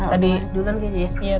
kayaknya udah masuk